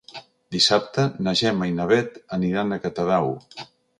Dissabte na Gemma i na Bet aniran a Catadau.